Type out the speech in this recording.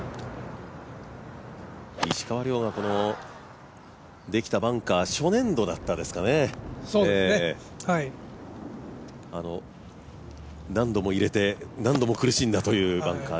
石川遼ができたバンカー、初年度だったんですかね、何度も入れて、何度も苦しんだというバンカー。